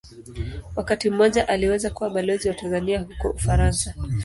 Wakati mmoja aliweza kuwa Balozi wa Tanzania huko Ufaransa.